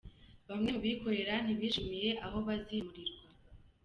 Bamwe mu bikorera ntibishimiye aho bazimurirwa